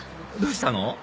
どうしたの？